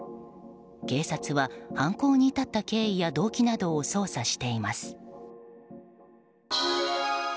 警察は、犯行に至った経緯や動機などを捜査しています。